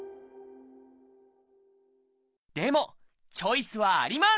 でもチョイスはあります！